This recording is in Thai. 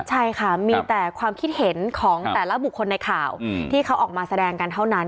ใช่ค่ะมีแต่ความคิดเห็นของแต่ละบุคคลในข่าวที่เขาออกมาแสดงกันเท่านั้น